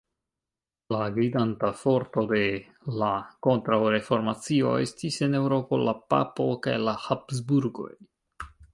La gvidanta forto de la kontraŭreformacio estis en Eŭropo la papo kaj la Habsburgoj.